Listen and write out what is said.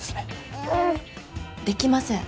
できません。